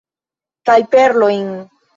Kaj perlojn.